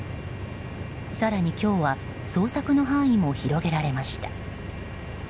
更に今日は捜索の範囲も広げられました。